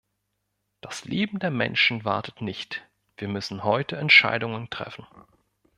Das Leben der Menschen wartet nicht, wir müssen heute Entscheidungen treffen.